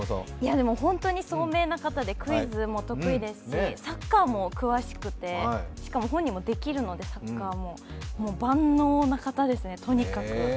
本当に聡明な方でクイズも得意ですしサッカーも詳しくて、しかも本人もサッカーもできるので万能な方ですね、とにかく。